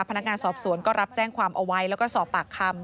พนักงานสอบสวนก็รับแจ้งความเอาไว้แล้วก็สอบปากคำ